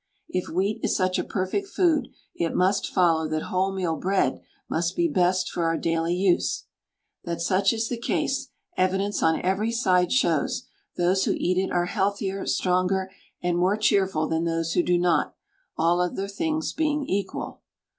If wheat is such a perfect food, it must follow that wholemeal bread must be best for our daily use. That such is the case, evidence on every side shows; those who eat it are healthier, stronger, and more cheerful than those who do not, all other things being equal.